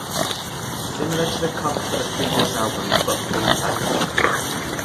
Similar to the cover for the previous album, but pulled back.